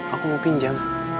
aku mau pinjam